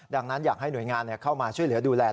ดังนั้นอยากให้หน่วยงานเข้ามาช่วยเหลือดูแล